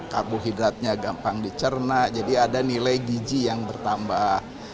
karbohidratnya gampang dicerna jadi ada nilai gizi yang bertambah